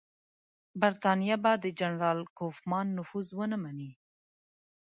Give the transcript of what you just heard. برټانیه به د جنرال کوفمان نفوذ ونه مني.